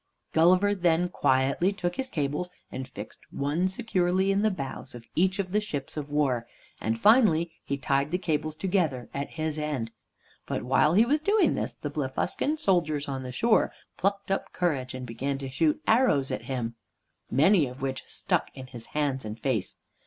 Gulliver then quietly took his cables and fixed one securely in the bows of each of the ships of war, and finally he tied the cables together at his end. But while he was doing this the Blefuscan soldiers on the shore plucked up courage and began to shoot arrows at him, many of which stuck in his hands and face.